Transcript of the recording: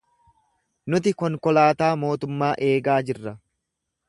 Nuti konkolaataa mootummaa eegaa jirra.